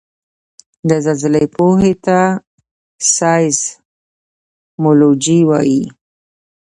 د زلزلې پوهې ته سایزمولوجي وايي